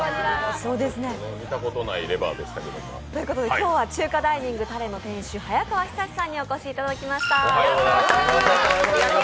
今日は中華ダイニング多礼の店主、早川永史さんにお越しいただきました。